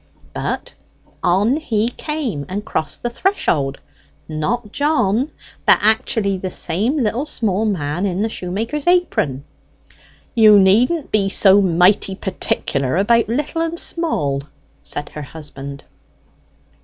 But on he came, and crossed the threshold not John, but actually the same little small man in the shoemaker's apron " "You needn't be so mighty particular about little and small!" said her husband.